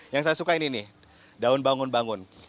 yang saya suka ini nih daun bangun bangun